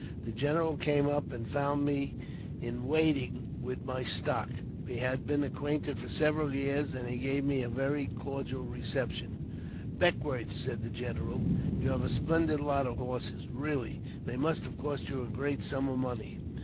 The general came up, and found me in waiting with my stock ; we had been acquainted for several years, and he gave me a very cordial reception. "Beckwourth," said the general "you have a splendid lot JAMES P. BECKWOUBTH. 393 of horses, really ; they must have cost you a great sum of money."